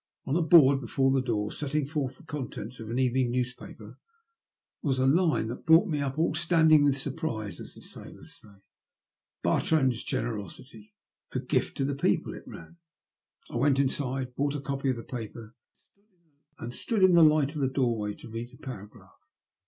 On a board before the door, setting forth the contents of an evening newspaper, was a line that brought me up all stand ing with surprise, as the sailors say. " Bartrand' $ Oeneroiity. — A Gift to the People^'* it ran. I went inside, bought a copy of the paper, and stood in the light of the doorway to read the paragraph.